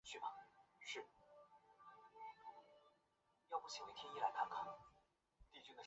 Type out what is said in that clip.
静脉注射毒蕈碱可以引发急性循环衰竭至心脏骤停。